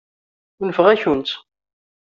Unfeɣ-akent.